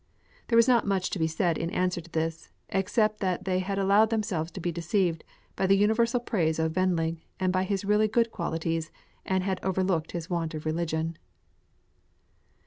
There was not much to be said in answer to this, except that they had allowed themselves to be deceived by the universal praise of Wendling, and by his really good qualities, and had overlooked his want of religion.